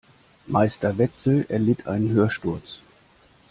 Meister Wetzel erlitt einen Hörsturz.